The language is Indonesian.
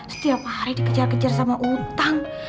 setiap hari dikejar kejar sama utang